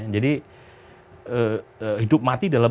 jadi hidup mati dalam